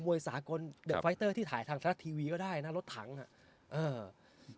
วยสากลเด็กไฟเตอร์ที่ถ่ายทางทรัฐทีวีก็ได้นะรถถังอ่ะเออ